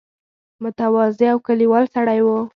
متواضع او کلیوال سړی وو.